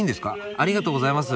ありがとうございます。